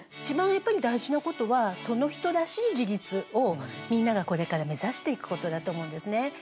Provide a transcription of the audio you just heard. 一番やっぱり大事なことはその人らしい自立をみんながこれから目指していくことだと思うんですね。